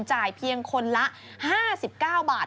จ่ายเพียงคนละ๕๙บาท